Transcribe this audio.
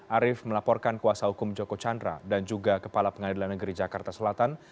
arief melaporkan kuasa hukum joko chandra dan juga kepala pengadilan negeri jakarta selatan